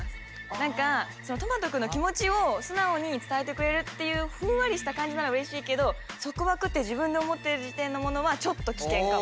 何かとまと君の気持ちを素直に伝えてくれるっていうふんわりした感じならうれしいけど束縛って自分で思ってる時点のものはちょっと危険かも。